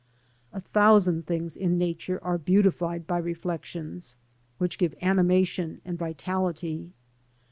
A thousand things in Nature are beautified by reflections, which give animation and vitality.